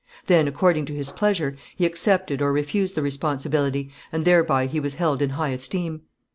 Then, according to his pleasure, he accepted or refused the responsibility, and thereby he was held in high esteem.